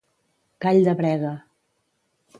Gall de brega.